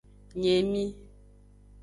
Nye emi.